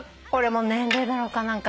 これも年齢なのか。